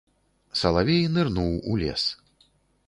Салавей нырнуў у лес.